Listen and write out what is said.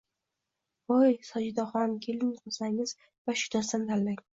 Voy, Sojidaxon, kelin qilsangiz, yoshginasidan tanlang